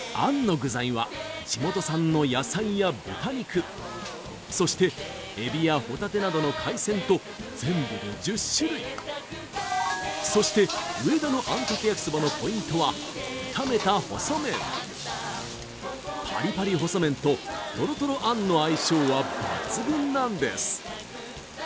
具材は地元産の野菜や豚肉そしてエビやホタテなどの海鮮と全部で１０種類そして上田のあんかけ焼きそばのポイントは炒めた細麺パリパリ細麺とトロトロあんの相性は抜群なんです！